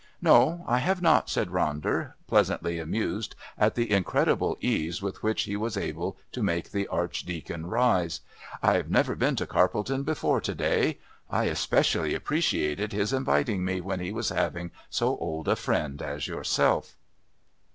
"No, I have not," said Ronder, pleasantly amused at the incredible ease with which he was able to make the Archdeacon rise. "I've never been to Carpledon before to day. I especially appreciated his inviting me when he was having so old a friend as yourself."